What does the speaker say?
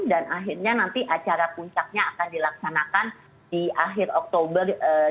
dan akhirnya nanti acara puncaknya akan dilaksanakan di akhir oktober dua ribu dua puluh dua